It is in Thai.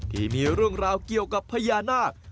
ที่มีเรื่องราวเกี่ยวกับพญานาค